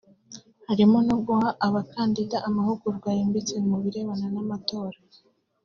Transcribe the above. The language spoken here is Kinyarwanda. harimo no guha abakandida amahugurwa yimbitse mu birebana n’amatora